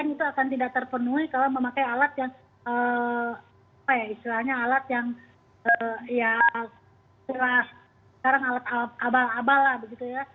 itu akan tidak terpenuhi kalau memakai alat yang apa ya istilahnya alat yang ya istilah sekarang alat abal abal lah begitu ya